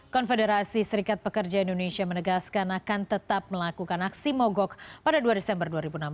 konfederasi serikat pekerja indonesia menegaskan akan tetap melakukan aksi mogok pada dua desember dua ribu enam belas